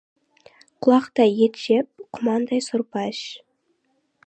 Құлақтай ет жеп, құмандай сорпа іш.